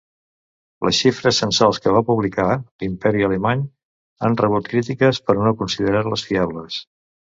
Les xifres censals que va publicar l'Imperi alemany han rebut crítiques per no considerar-les fiables.